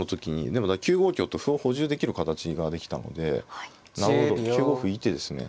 でも９五香と歩を補充できる形ができたのでなるほど９五歩いい手ですね。